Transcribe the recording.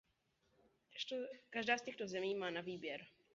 Každá z těchto zemí má na výběr.